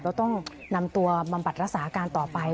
แล้วต้องนำตัวมาปรัศนาสาหการต่อไป